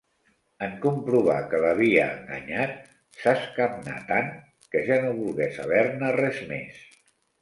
En comprovar que l'havia enganyat, s'escamnà tant, que ja no volgué saber-ne res més.